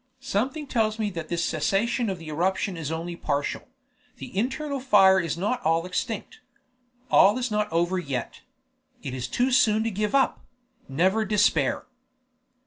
Something tells me that this cessation of the eruption is only partial; the internal fire is not all extinct. All is not over yet. It is too soon to give up; never despair!"